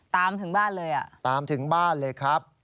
ถึงบ้านเลยอ่ะตามถึงบ้านเลยครับ